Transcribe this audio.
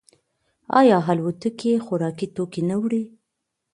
آیا الوتکې خوراکي توکي نه وړي؟